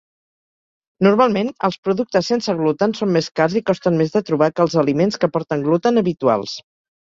Normalment els productes sense gluten són més cars i costen més de trobar que els aliments que porten gluten habituals.